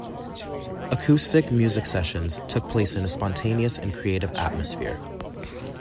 Acoustic music sessions took place in a spontaneous and creative atmosphere.